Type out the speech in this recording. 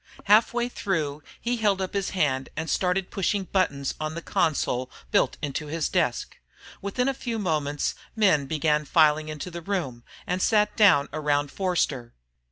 Half way through, he held up his hand and started pushing buttons on the console built into his desk. Within a few moments men began filing into the room, and sat down around Forster.